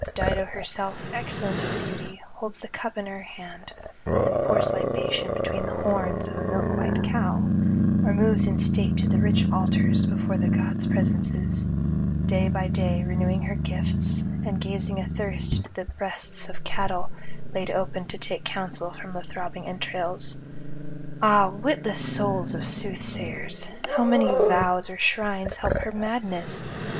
Dido herself, excellent in beauty, holds the cup in her hand, and pours libation between the horns of a milk white cow, or moves in state to the rich altars before the gods' presences, day by day renewing her gifts, and gazing athirst into the breasts of cattle laid open to take counsel from the throbbing entrails. Ah, witless souls of soothsayers! how may vows or shrines help her madness?